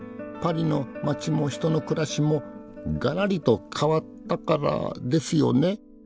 パリの街も人の暮らしもガラリと変わったからですよね？